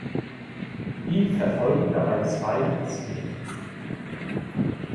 Wie verfolgen dabei zwei Ziele.